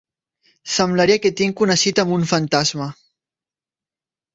Semblaria que tinc una cita amb un fantasma.